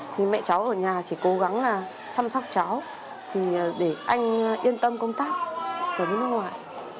thì mẹ cháu ở nhà chỉ cố gắng là chăm sóc cháu thì để anh yên tâm công tác ở nước ngoài